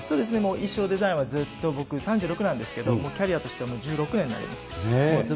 衣装デザインはずっと僕、３６なんですけど、キャリアとしてはもう１６年になります。